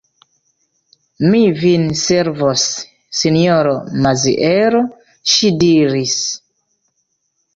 Mi vin servos, sinjoro Maziero, ŝi diris.